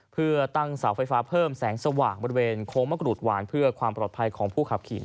เพื่อตั้งเสาไฟฟ้าเพิ่มแสงสว่างบริเวณโค้งมะกรูดหวานเพื่อความปลอดภัยของผู้ขับขี่